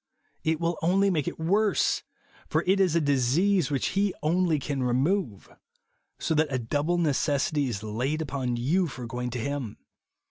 It will only make it worse ; for it is a disease which he only can remove. So that a double necessity is laid upon you for going to Him.